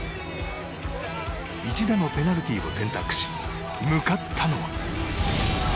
１打のペナルティーを選択し向かったのは。